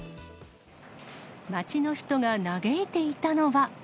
街の人が嘆いていたのは。